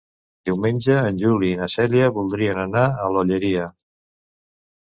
Diumenge en Juli i na Cèlia voldrien anar a l'Olleria.